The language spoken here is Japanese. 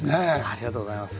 ありがとうございます。